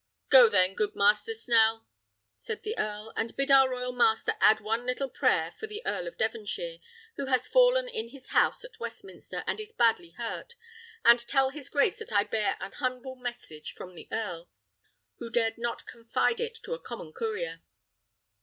"Go then, good Master Snell," said the earl, "and bid our royal master add one little prayer for the Earl of Devonshire, who has fallen in his house at Westminster, and is badly hurt; and tell his grace that I bear an humble message from the earl, who dared not confide it to a common courier."